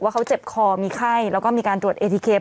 เขาเจ็บคอมีไข้แล้วก็มีการตรวจเอทีเค